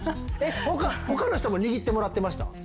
他の人も握ってもらってました？